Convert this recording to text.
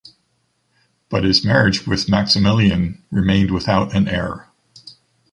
But his marriage with Maximilien remained without an heir.